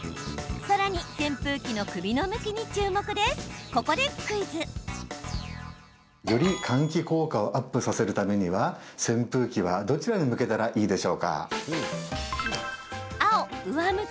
さらに、扇風機の首の向きにより換気効果をアップさせるためには扇風機は、どちらに向けたらいいでしょうか？